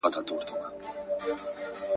چي په نصیب یې مُلا شاهي وي `